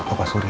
eh bapak suri